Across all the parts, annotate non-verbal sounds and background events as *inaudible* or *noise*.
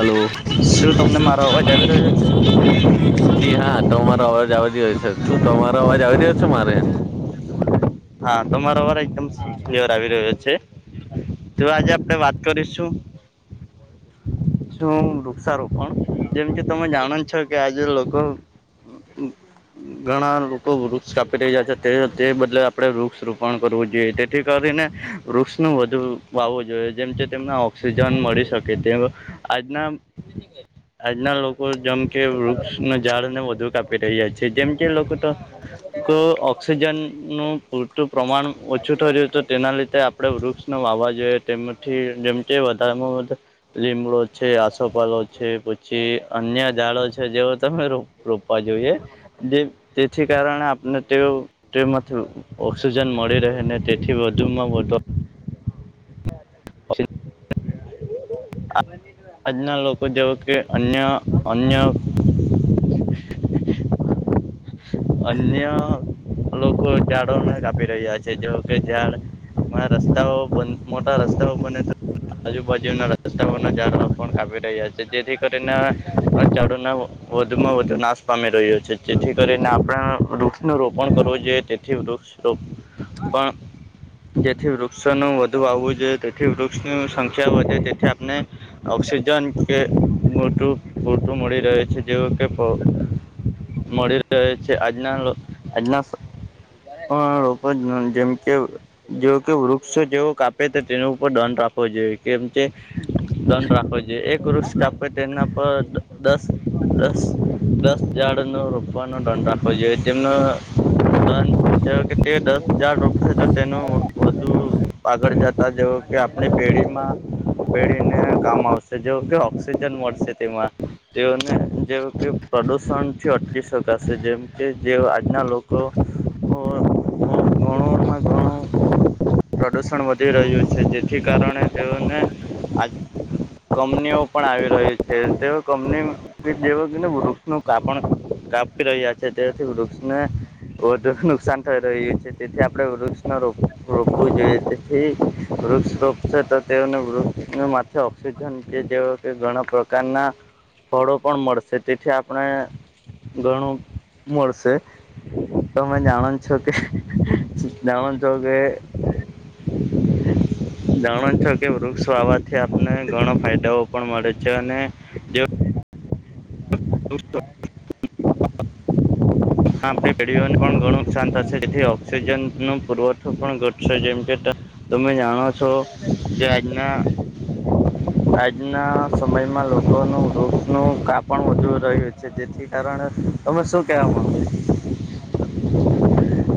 Hello. શું તમને મારો અવાજ આવી રહ્યો છે જી હા તમારો અવાજ આવી રહ્યો છે, શું તમારો અવાજ આવી જ્યો છે મારે? હા તમારો અવાજ એકદમ ક્લિયર આવી રહ્યો છે. તો આજે આપડે વાત કરીશું. શું વૃક્ષારોપણ, જેમ કે તમે જાણો છો કે આજે લોકો હમ. ઘણા લોકો વૃક્ષ કાપી રહ્યાં છે તે તે બદલે આપને વૃક્ષ રોપણ કરવું જોઈએ તેથી કરીને. વૃક્ષનું વધુ વાવવું જોઈએ જેમ કે તેમને ઓક્સિજન મળી શકે તેમ. આજના આજના લોકો જેમ કે વૃક્ષને ઝાડને વધુ કાપી રહ્યા છે, જેમ કે લોકો તો તો ઓક્સિજનનું પૂરતું પ્રમાણ ઓછું થય્યું તો તેના લીધે આપણેે વૃક્ષ વાવવા જોઈએ તેમાંથી જેમ વધારેમાં, લીમડો છે આસોપાલો છે પછી અન્ય ઝાડો છે જેવો ત ખરું રોપવા જોઈએ. તેથી કારણે આપને તે તેમાંથી ઓક્સિજન મળી રહે ને તેથી વધુ માં વધુ *unintelligible* આજના લોકો જેવો કે અન્ય અન્ય અન્ય લોકો ઝાડોને કાપી રહ્યા છે જો કે ઝાડ મા રસ્તાઓ બ મોટા રસ્તાઓ બને તો આજુબાજુના રસ્તાઓના ઝાડવા પણ કાપી રહ્યા છે જેથી કરીને, ચડના વધુમાં વધુ નાશ પામી રહ્યો છે જેથી કરીને આપણે વૃક્ષનું રોપણ કરવું જોઈએ તેથી વૃક્ષ જેથી વૃક્ષોનું વધુ આવવું જોઈએ તેથી વૃક્ષની સંખ્યા વધે તેથી આપણે ઓક્સિજન કે મોટું પૂરતું મળી રહે છે જેવુ કે મળી રહે છે આજના આજના પણ રો જેમ કે જો કે વૃક્ષો જેવો કાપે તો તેનો ઉપર દંડ રાખવો જોઈએ કેમ કે. દંડ રાખવો જોઈએ એક વૃક્ષ કાપે તે એના પર દસ દસ. દસ ઝાડ નો રોપવાનો દંડ રાખો જોઈએ તેમનો તે દસ હજાર રોપસે છે તો તેનું વધુ આગળ જતા જેવું કે આપણી પેઢીમાં. પેઢીને કામ આવશે જો કે ઓક્સિજન મળશે તેમાં. તેઓને જેમ કે પ્રદુષણ થી અટકી શકાશે જેમ કે જે આજના લોકો, ઘણોમાં ઘણું. પ્રદુષણ વધી રહ્યું છે જેથી કારણે તેઓને, આ કપનીઓ પણ આવી રહી છે તે કંપની જેવાને વૃક્ષનું કાપણ કાપી રહ્યા છે તેથી વૃક્ષને. વધુ નુકસાન થઈ રહ્યું છે તેથી આપડણે વૃક્ષ ન રોપવું જોઈએ તેથી વૃક્ષ રોપ છે તો તેને વૃક્ષ માથે ઓક્સિજન કે જે ઘણા પ્રકારના. ફળો પણ મળશે તેથી આપણે ઘણું મળશે. તમે જાણો છો કે જાણો છો કે જાણો છો કે વૃક્ષ વાવાથી આપને ઘણા ફાયદાઓ પણ મળે છે અને જે *unintelligible* આપણી પેઢીઓને પણ ઘણું નુકસાન થશે જેથી ઓક્સિજન ન પુરવઠો પણ ઘટશે જેમ કે તમે જાણો છો કે આજના *inaudible* આજના સમયમાં લોકોનું વૃક્ષનું કાપણ વધુ રહ્યું છે તે કારણ તમે શું કેવા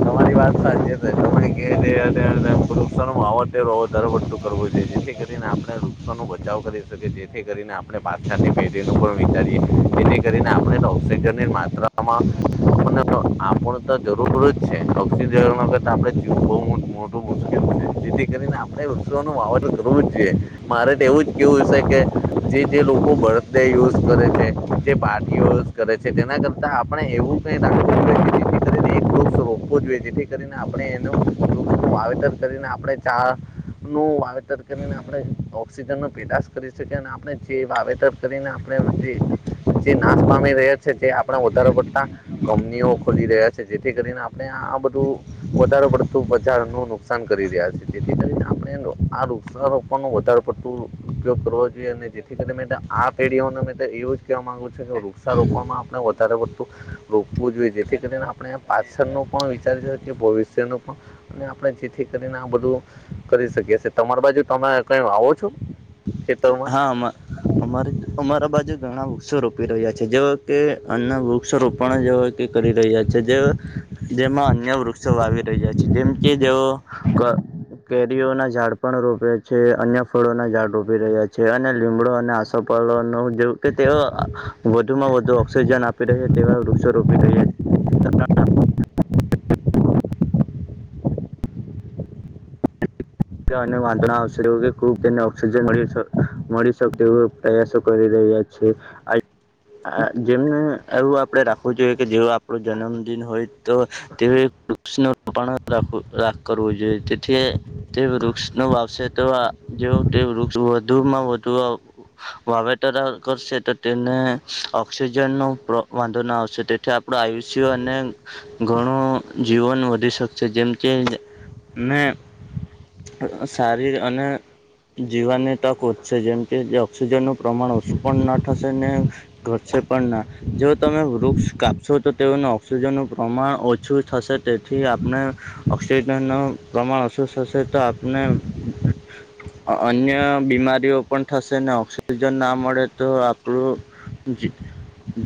તમારી વાત સાચી છે તમે કે છે. વૃક્ષોનું વાવતેર હોવો દર વડતુ કરવું જોઈએ જેથી કરીને આપણે વૃક્ષોનો બચાવ કરી શકીએ જેથી કરીને આપ પાછાની પેઢીનું પણ વિચારીએ, જેથી કરીને આપણે ઓક્સિજનની માત્રામાં. આપને આપણ તો જરૂર જ ઓક્સિજન વગર આપડે જીવું બહ મોટું મુશ્કેલ છે જેથી કરીને આપે વૃક્ષો ન વાવર કરું જોઈ, મારે તો એવું જ કેવું છે, કે જે જે લોકો બળદને યુઝ યુઝ કરે છે. જે પાર્ટીઓ કરે છે તેના કરતા આપણે એવું કઈ રાખવું જોઈએ કે જેથી કરીને એક વૃક્ષ રોપ આપ જોઈએ જેથી કરીને આપણે એનું, વૃક્ષ ન વાવેતર કરીને આપણે ચા નું વાવેતર કરીને આપણે ઓક્સિજન નો પેદાશ કરી શકીયે એમ. કરીને આપણે જે જે નાશ પામી રહ્યા છે જે આપણા વધારે પડતા, કંપનીઓ ખોલી રહ્યા છે જેથી કરીને આપ નઆ બધું વધારે પડતું બજાર નું નુકસાન કરી રહ્યા છે જેથી કરીને આપણે એનું આ રૂપ ફોન ન વધારે પડતું ઉપયોગ કરવો જોઈએ અને જેથી કરી ને ત્યાં આ ફેરિયો નો મે તે એવું જ કવા માંગુ છે કે વૃક્ષારોપણમાં આપણે વધારે વધતું. રોકવું જોઈએ જેથી કરીને આપણે પાછળ ન પણ વિચાર ભવિષ્યનું પણ અને આપણે જેથી કરીને આ બધું. કરી શકી છે તમારી બાજુ તમે કઈ આવો છો? ખેતરમાં હામાં અમારે અમારા બાજુ ઘણા વૃક્ષો રોપી રહ્યા છે જેવા કે અના વૃક્ષો રોપણ જે કરી રહ્યા છે જે, જેમાં અન્ય વૃક્ષો વાવી રહ્યા છે જેમ કે જેઓ ક કેરીઓ ના ઝાડ પણ રોપે છે અન્ય ફળો ના ઝાડ રોપી રહ્યા છે. છે અને લીમડો અને આસોપાલ ન જે કે તેઓ વધુમાં વધુ ઓક્સિજન આપી રહહી તેવા વૃક્ષો રોપી રહ. *inaudible* ત્યાં અને વાંદરા આવશે કે ખુબ તેને ઓક્સિજન મળી શક શકતે. પ્રયાસો કરી રહઈ્યા છે, આ જેમને એવું આપડે રાખવું જોઈએ કે જેવ આપણો જન્મદિન હોય તો, તે વૃક્ષ ન રપણખ રાખ કરવો જોઈએ. તે તે વૃક્ષ નો વાવશે તો આ જોઉં તે તે વૃક્ષ વધુમાં વધુ વાવેતર કરશે તો તેને ઓક્સિજન નો વાંધો ન આવશે. આપણું આયુષ્ય અને ઘણું જીવન વધી શકશે જેમ કે મેનેં સારીર અને જીવાની તકો વધશે જેમ કે ઓક્સિજનનું પ્રમાણ ઓછું પણ ના થશે ને ઘટશે પણ ના. જો તમે વૃક્ષ કાપશો તો તેઓને ઓક્સિજનનું પ્રમાણ ઓછું થશે તેથી આપણે ઓક્સિજન નું પ્રમાણ અસુસ્થ થશે તો આપણે અન્ય બીમારીઓ પણ થશે ને ઓક્સિજન ના મળે તો આપણું જી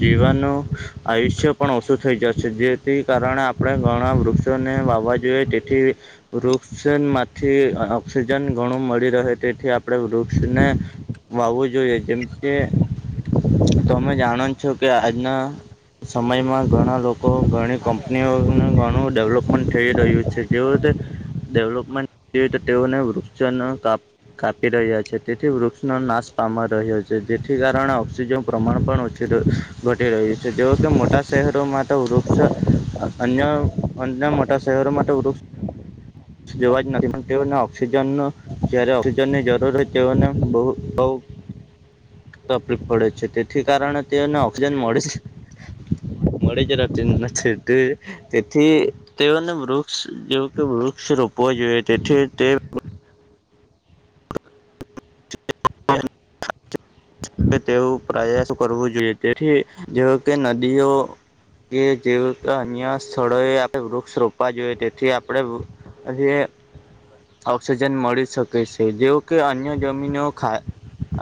જીવનનું. આયુષ્ય પણ ઓછું થઈ જશે જેથી કારણે આપણે ઘણા વૃક્ષોને વાવા જોઈએ તેથી રૂક ઓક્સિજનમાંથી ઓક્સિજન ઘણું મળી રહે તેથી આપણે વૃક્ષને વાવવું જોઈએ જેમ કે તમે જાણો છો કે આજના સમયમાં ઘણા લોકો ઘણી કંપનીઓને ઘણું ડેવલપમેન્ટ થઈ રહ્યું છે જેવો તે ડેવલોપમેન્ટ હોય તો તેઓને વૃક્ષોને કાપ કાપી રહ્યા છે તેથી વૃક્ષનો નાશ પામા રહ્યો છે જેથી કારણે ઓક્સિજન પ્રમાણ પણ ઓછું ઘટી રહ્યું છે જેવ કે મોટા શહેરોમાં તો વૃક્ષ, અન્ય અના મોટા શહેરો માટે વૃક્ષ જોવા જ નથી પણ તેઓને ઓક્સિજન જયારે ઓક્સિજન ની જરૂર હોય તેઓને બ બ તકલીફ પડે છે તેથી કારણે તેઓને ઓક્સિજન મળે છે. મળે જ રાતી નથી તેથી તેઓને વૃક્ષ જે વૃક્ષ રોપવો જોઈએ તેથી તે *inaudible* તેવું પ્રયાસો કરવું જોઈએ તેથી, જે કે નદીઓ. કે જેવતે અન્ય સ્થળોએ આપણે વૃક્ષ રોપવા જોઈએ તેથી આપણે અ *unintelligible* ઓક્સિજન મળી શકે છે જેવ કે અન્ય જમીનો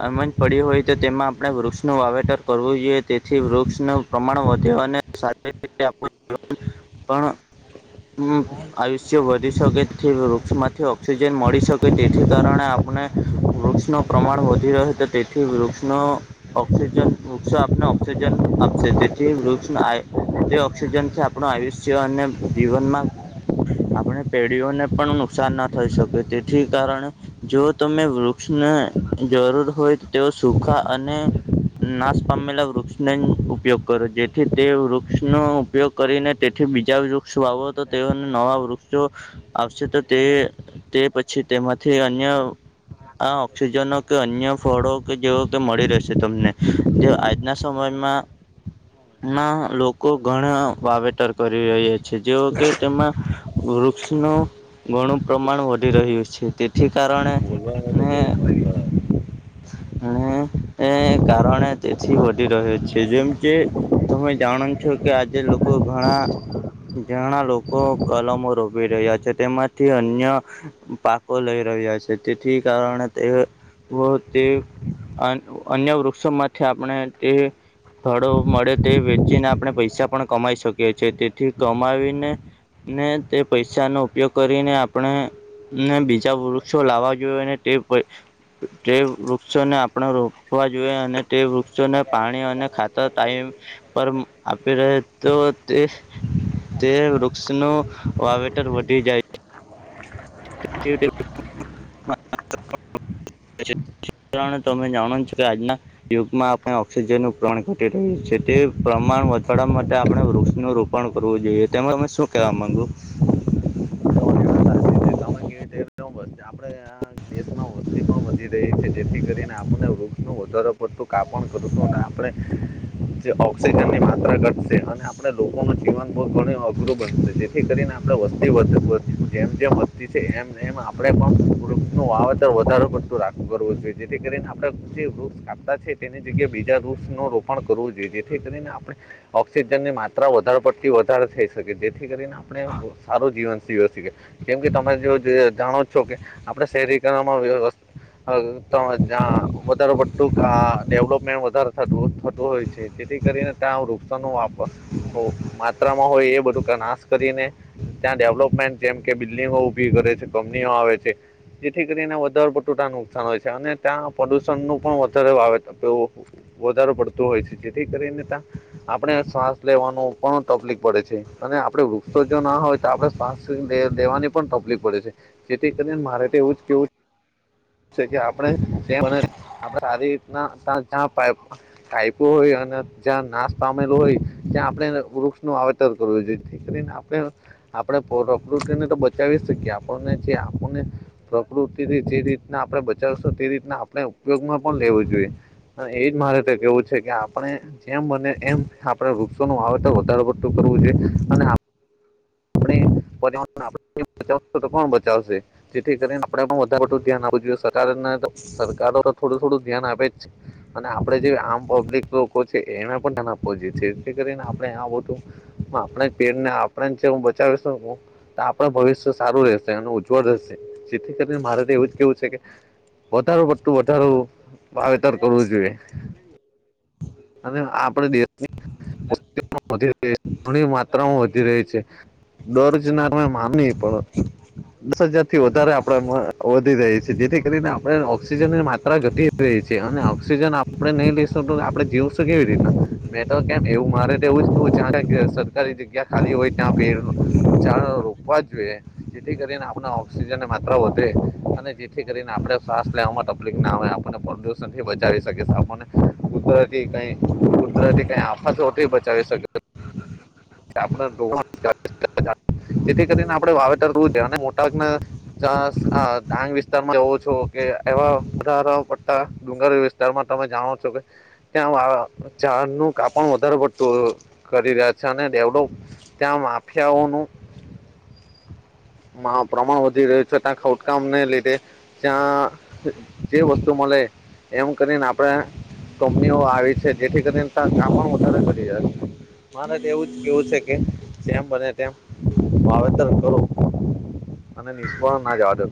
આમજ પડી હોય તો તેમાં આપણે વૃક્ષનું વાવેતર કરવું જોઈએ તેથી વૃક્ષનું પ્રમાણ વધે અને સાથે રીતે આપું *inaudible* પણ આયુષ્ય વધી શકે તે વૃક્ષમાં થી ઓક્સિજન મળી શકે તેથી કારણે આપને. વૃક્ષનું પ્રમાણ વધી રહ છે તેથી વૃક્ષનો ઓક્સિજન વૃક્ષ આપને ઓક્સિજન આપશે તેથી વૃક્ષ તે ઓક્સિજનથી આપણું આયુષ્ય અને જીવનમાં આપણે પેઢીઓને પણ નુકસાન ના થઈ શકે તેથી કારણે. જો તમે વૃક્ષને જરૂર હોય તે સુખા અને નાશ પામેલા વૃક્ષને ઉપયોગ કરો જેથી તે વૃક્ષનોો ઉપયોગ કરીને. તેથી બીજા વૃક્ષો વાો તો તેઓને નવા વૃક્ષો, આવશે તો તે તે પછી તેમાંથી અન્ય આ ઓક્સિજનો કે અન્ય ફળો કે જેવ કે મળી રહેશે તમને. જે આજના સમયમાં. ના લોકો ઘણા વાવેતર કરી રહ્યા છે જેઓ કે તેમાં વૃક્ષ ન ગણ પ્રમાણ વધી રહ્યું છે તેથી કારણે, બોલવા તો ને કે અને કારણે તેથી વધી રહ્યો છે જેમ કે તમે જાણો છો કે આજે લોકો ઘણા. જણા લોકો કલમો રોપી રહ્યા છે તેમાંથી અન અન, પાકો લઈ રહ્યા છે તેથી કારણે તે તે અન્ય વૃક્ષોમાંથી આપણે તે ફળો મળે તે વેચીને આપણે પૈસા પણ કમાઈ શકીએ છીએ તેથી કમાવીને. ને તે પૈસા નો ઉપયોગ કરીને આપણે ને બીજા વૃક્ષો લાવવા જોએ ને તે તે વૃક્ષોને આપણે રોપવા જોઈએ અને તે વૃક્ષોને પાણી અને ખાતાર ટાઈમ. પર આપી રહે તો તે તે વૃક્ષનું, વાવેતર વધી જાય. *inaudible* *inaudible* તોમે જાણો છ કે આજના યુગમાં આપણે ઓક્સિજનનું પ્રણ ઘટી રહ્યું છે તે પ્રમાણ વધારવા માટે આપણે વૃક્ષ નું રોપણ કરવું જોઈએ તેમાં અમે શું કેવા માંગુ? આપડે દેશમાં વસ્તી પણ વધી રહી છે જેથી કરીને આપને વૃક્ષ ન વધારો ખતું કાપણ કરું છું અને આપણે. જે ઓક્સિજન ની માત્ર ઘટશે અને આપડે લોકોનું જીવન ઘ અઘરું બનશે જેથી કરીને આપડે વસ્તી વધ જેમ જેમ વસ્તી એમ એમ આપણેે પણ વૃક્ષ નું વાવેતર વધારે ઘટતું રાખવું કરવું જોઈએ જેથી કરીને આપડણે જે વૃક્ષ કાપતા છે તેની જગ્યાએ બીજા વૃક્ષ ન રોપણ કરવું જોઈએ જેથી કરીને આપણે. ઓક્સિજન ની માત્રા વધારે પડતી વધારે થઈ જેથી કરીને આપ સારું જીવન સી શએ, જેમ કે તમે જો જાણો છો કે, આપડણે શહેરીકરણમાં વ હ જ્યાં વધારે ઘા પતું ડેવલપમેન્ટ વધારે થ થતું હોય છે. જેથી કરીને ત્યાં વૃક્ષ નો આપવા માત્રામાં હોય એ બધું ખાસ કરીને, ત્યાં ડેવલપમેન્ટ જેમ કે બિલિલ્ગ ઉભી કરે છે કંપનીઓ આવે છે. જેથી કરીને વધારે પડતો તા નુકસાન હોય છે અને ત્યાં પ્રદુષણ નું પણ વધારે વાવેતર એવું વધારે પડતો હોય છે જેથી કરીને ત્યા આપડણે શ્વાસ લેવાનું પણ તકલીફ પડે છે અને આપડે વૃક્ષો જો ના હોય તો આપડણે શ્વાસ લે લેવાની પણ તકલીફ પડે છે, જેથી કરીને મારે તો‌ એવું જ કેવું છે કે આપણે જે મ આપ સારી રીતના ચા કાઈપું હોય અને જ્યાં નાશ પામેલો હોય, ત્યાં આપણે વૃક્ષ નુ વાવેત તર કરવું જોઈએ જેથી કરીને આપ, આપણે પ્રકૃતિને તો બચાવી શકીએ આપણને જે આપણને પ્રકૃતિથી જે રીતના આપણે બચાવશો તે રીતના આપણે ઉપયોગમાં પણ લેવો જોઈએ. અને એજ મારે તો કેવું છે કે આપણે જેમ બને એમ આપડે વૃક્ષો નુ વાવેતર વધાર પડતું કરવું જોઈએ, અને આ આપણે પર્યાવરણને આપણે ની બચાવ તો કોણ બચાવશે. જેથી કરીને આપડણે પણ વધારે વધુ ધ્યાન આવવું જોઈએ સરકાર સરકારો થોડું થોડું ધ્યાન આપે જ છે. અને આપડે જે આમ પબ્લિક એ પણ ધ્યાન આપવું જોઈએ જેથી કરીને આપણે આ બધું. આપણે પેડ ને આપણેે છે હું બ તો આપણ ભવિષ્ય સારું રહેશે અને ઉજ્જવળ રહેશે. જેથી કરીને મારે તો એવું જ કેવું છે કે. વધઢારું પટતું વધધાર વાવેતર કરું જોઈએ. અને આપડે દેશની વધી ર છે ઘ માત્રામાં વધી રહી છે. દરજનારમે માનવી પડ. દસ હજાર થી વધારે આપડે વધી રહી છે જેથી કરીને આપણે ઓક્સિજન ની માત્રા ઘટી રહી છે અને ઓક્સિજન આપડે નહી લઈ શકો તો આ આપણે જીવશું કેવી રીતના, મેં તો કેમ એવું મારે તો એવું જ સરકારી જગ્યા ખાલી હોય ત્યાં પેડ ઝાર રોપવા જ જોઈએ. જેથી કરીને આપણે ઓક્સિજન ને માત્ર વધે, અને જેથી કરીને આપણે શ્વાસ લેવામાં તકલીપક ના હોય આપ. અને પ્રદુષણથી બચાવી શકે છે આપને, કુદરત કઈ કુદરતી કઈ આફતો તરી બચાવી શકે. હ. *inaudible* આપ *unintelligible* જેથી કરીને આપડણે વાવેતરવું અને મોટાગ ન ચ આ ડાંગ વિસ્તારમાં એવો છો કે એવા વધારા પડતા ડુંગર વિસ્તારમાં તારમાં તમે જાણો છો કે, ત્યાં ઝાડનું કાપણ વધારે પડતું હ કરી રહ્યા છે અને ડેવડો ત્યાં માફિયાઓનું પ્રમાણ વધી રહ્યું છે ત્યા ખોટકામને લીધે, ત્યાં જે વસ્તુ મળે, એમ કરીને આપણે તે ઓ આવી છે જેથી કરીને ત કામ વધારે કરી રહ્યા છે. મારે તો એવું જ કેવું છે કે જેમ બને તેમ વાવેતર કરું. અને નિષ્ફળ ના જવા દો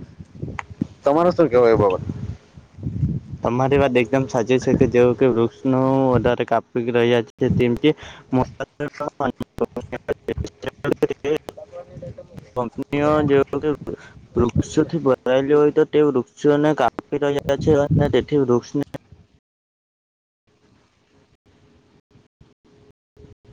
તમારે શું કેવાય એ બાબત.? તમારી વાત એકદમ સાચી છે કે જેવ વૃક્ષ નુ વધારે કાપી રહ્યા છે તેમ કે, *inaudible* કપનીઓ જેઓ *inaudible* વૃક્ષોથી ભરાયેલી હોય તો તે વૃક્ષોને કાપી રહ્યા છે. અને તેથી વૃક્ષ